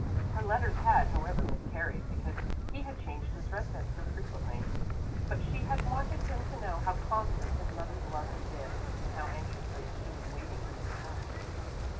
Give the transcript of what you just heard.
Her letters had, however, miscarried, because he had changed his residence so frequently. But he had wanted him to know how constant his mother's love had been and how anxiously she was waiting his return.